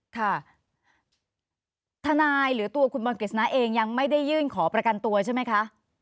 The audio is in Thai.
ค่ะทนายหรือตัวคุณบอลกฤษณะเองยังไม่ได้ยื่นขอประกันตัวใช่ไหมคะ